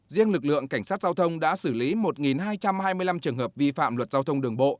riêng lực lượng cảnh sát giao thông đã xử lý một hai trăm hai mươi năm trường hợp vi phạm luật giao thông đường bộ